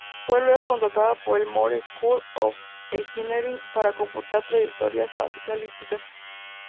Fue luego contratada por el Moore School of Engineering para computar trayectorias balísticas.